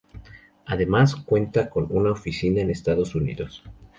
Además, cuenta con una oficina en Estados Unidos.